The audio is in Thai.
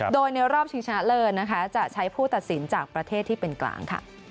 โดยในรอบชิงชนะเลิศจะใช้ผู้ตัดสินจากประเทศที่เป็นกลาง